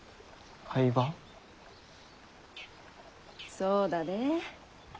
そうだで。